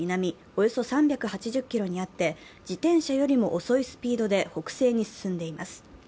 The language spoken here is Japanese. およそ３８０ｋｍにあって、自転車よりも遅いスピードで北西に進んでいます。